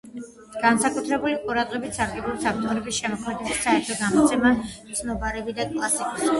განსაკუთრებული ყურადღებით სარგებლობს ავტორების შემოქმედების საერთო გამოცემა, ცნობარები და კლასიკოსები.